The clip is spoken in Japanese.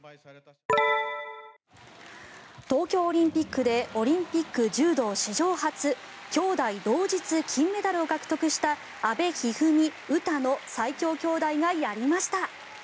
東京オリンピックでオリンピック柔道史上初兄妹同日金メダルを獲得した阿部一二三・詩の最強兄妹がやりました。